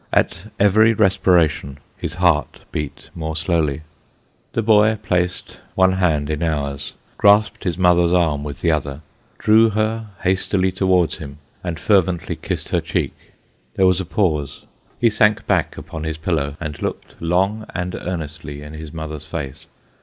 At every respiration, his heart beat more slowly. The boy placed one hand in ours, grasped his mother's arm with the other, drew her hastily towards him, and fervently kissed her cheek. There was a pause. He sunk back upon his pillow, and looked long and earnestly in his mother's face.